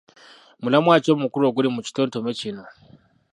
Mulamwa ki omukulu oguli mu kitontome kino?